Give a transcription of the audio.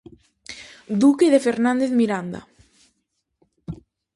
Duque de Fernández Miranda.